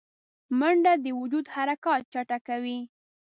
منډه د وجود حرکات چټکوي